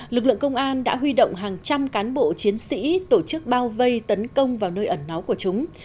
lực lượng công an đã huy động hàng trăm cán bộ chiến sĩ tổ chức bao vây tấn công vào nơi ẩn náu của chúng